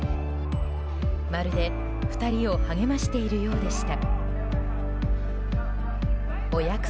まるで２人を励ましているようでした。